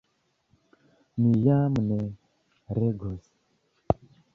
Mi jam ne legos,...